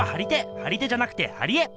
張り手じゃなくて貼り絵！